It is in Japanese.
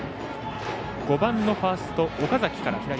５番のファースト岡崎から。